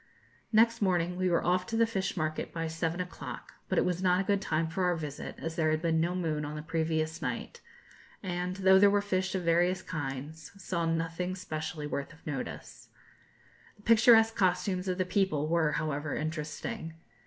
Next morning we were off to the fish market by seven o'clock, but it was not a good time for our visit, as there had been no moon on the previous night; and, though there were fish of various kinds, saw nothing specially worthy of notice. The picturesque costumes of the people were, however, interesting.